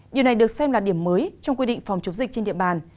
điều này được xem là điểm mới trong quy định phòng chống dịch trên địa bàn